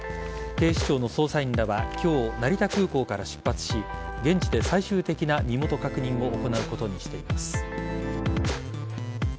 警視庁の捜査員らは今日、成田空港から出発し現地で最終的な身元確認を行うことにしています。